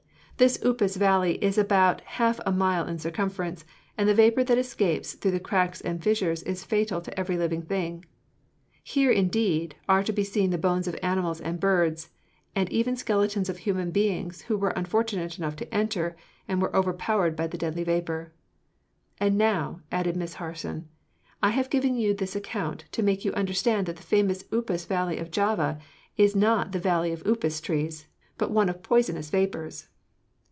This upas valley is about half a mile in circumference, and the vapor that escapes through the cracks and fissures is fatal to every living thing. Here, indeed, are to be seen the bones of animals and birds, and even the skeletons of human beings who were unfortunate enough to enter and were overpowered by the deadly vapor. And now," added Miss Harson, "I have given you this account to make you understand that the famous upas valley of Java is not a valley of upas trees, but one of poisonous vapors."